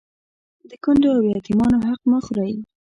د کونډو او يتيمانو حق مه خورئ